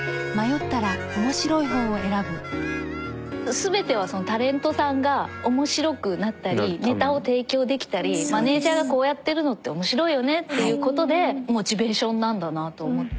全てはタレントさんが面白くなったりネタを提供できたりマネジャーがこうやってるのって面白いよねっていうことでモチベーションなんだなと思って。